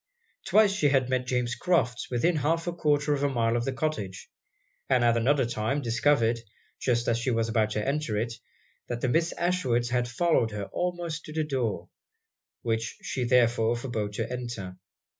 Twice she had met James Crofts within half a quarter of a mile of the cottage; and at another time discovered, just as she was about to enter it, that the Miss Ashwoods had followed her almost to the door; which she therefore forbore to enter.